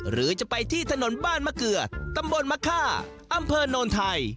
หรือจะไปที่ถนนบ้านมะเกลือตำบลมะค่าอำเภอโนนไทย